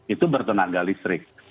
itu bertenaga listrik